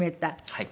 はい。